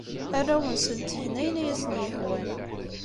Arraw-nsen ttgen ayen ay asen-yehwan.